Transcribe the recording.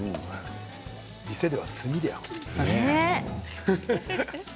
店では炭で焼くって。